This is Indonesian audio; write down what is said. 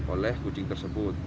oleh kucing tersebut